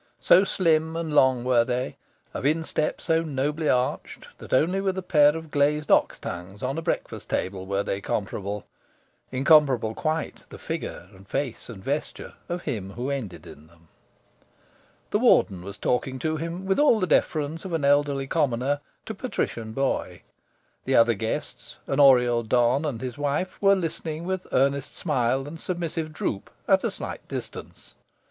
So slim and long were they, of instep so nobly arched, that only with a pair of glazed ox tongues on a breakfast table were they comparable. Incomparable quite, the figure and face and vesture of him who ended in them. The Warden was talking to him, with all the deference of elderly commoner to patrician boy. The other guests an Oriel don and his wife were listening with earnest smile and submissive droop, at a slight distance.